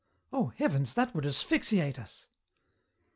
"Oh, heavens! that would asphyxiate us."